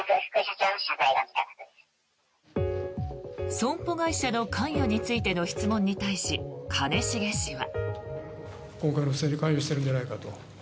損保会社の関与についての質問に対し、兼重氏は。